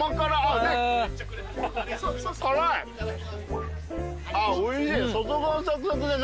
おいしい。